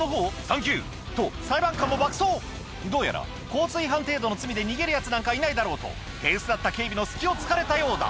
サンキュー！と裁判官も爆走どうやら交通違反程度の罪で逃げる奴なんかいないだろうと手薄だった警備の隙を突かれたようだ